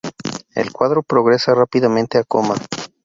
El cuadro progresa rápidamente a coma.